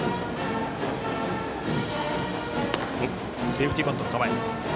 セーフティーバントの構え。